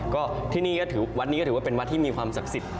วัดนี้ก็ถือว่าเป็นวัดที่มีความศักดิ์สิทธิ์